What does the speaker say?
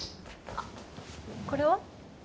あっこれ？